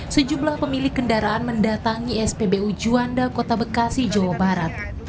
sejumlah pemilik kendaraan mendatangi spbu juanda kota bekasi jawa barat